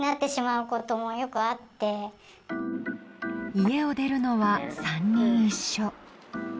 家を出るのは３人一緒。